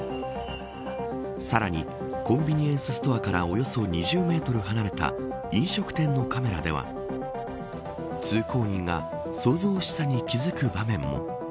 さらにコンビニエンスストアからおよそ２０メートル離れた飲食店のカメラでは通行人が騒々しさに気付く場面も。